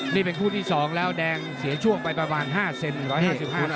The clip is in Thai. นี่เป็นคู่ที่๒แล้วแดงเสียช่วงไปประมาณ๕เซน๑๗๕นะ